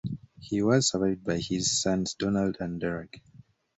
He was survived by his sons Donald and Derek.